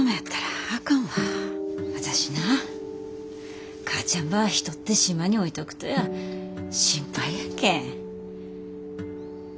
私な母ちゃんば一人で島に置いとくとや心配やけん。